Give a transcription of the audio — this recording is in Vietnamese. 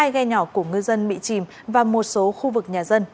hai ghe nhỏ của ngư dân bị chìm và một số khu vực nhà dân